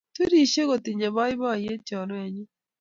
Turishe kotinye boiboyee chorwenyu